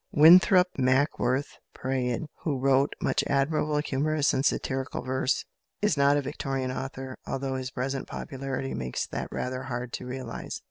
Winthrop Mackworth Praed, who wrote much admirable humorous and satirical verse, is not a Victorian author, although his present popularity makes that rather hard to realise.